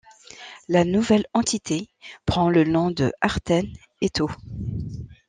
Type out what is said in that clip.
La nouvelle entité prend le nom de Hartennes-et-Taux.